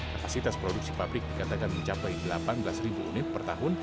kapasitas produksi pabrik dikatakan mencapai delapan belas ribu unit per tahun